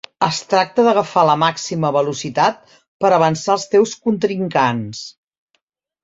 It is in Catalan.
Es tracta d'agafar la màxima velocitat per avançar els teus contrincants.